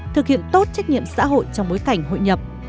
thực hiện tốt trách nhiệm xã hội trong bối cảnh hội nhập